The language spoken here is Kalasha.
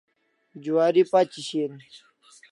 Juari pachi shian